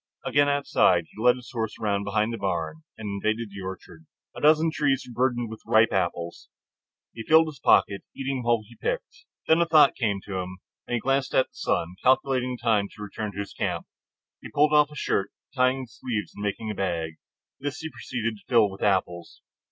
Again outside, he led the horse around behind the barn and invaded the orchard. A dozen trees were burdened with ripe apples. He filled his pockets, eating while he picked. Then a thought came to him, and he glanced at the sun, calculating the time of his return to camp. He pulled off his shirt, tying the sleeves and making a bag. This he proceeded to fill with apples.